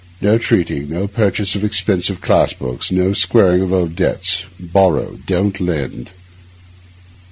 No treating, no purchase of expensive class books, no squaring of old debts; borrow, don't lend.